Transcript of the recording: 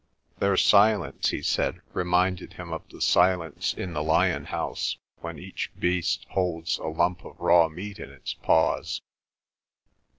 Their silence, he said, reminded him of the silence in the lion house when each beast holds a lump of raw meat in its paws.